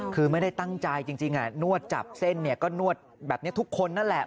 คือไม่ได้ตั้งใจจริงเหนือวดจับเส้นก็นั่นแบบนี้ทุกคนนั่นแหละครับ